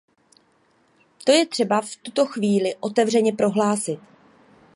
To je třeba v tuto chvíli otevřeně prohlásit.